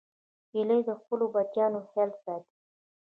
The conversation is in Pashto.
هیلۍ د خپلو بچیانو خیال ساتي